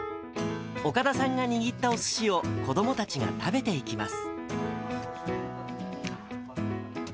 岡田さんが握ったおすしを子どもたちが食べていきます。